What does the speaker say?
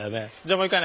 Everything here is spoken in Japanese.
もう一回。